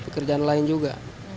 ada pekerjaan lain juga